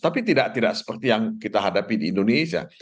tapi tidak seperti yang kita hadapi di indonesia